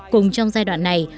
cùng trong giai đoạn này